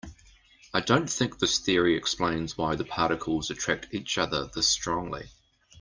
I don't think this theory explains why the particles attract each other this strongly.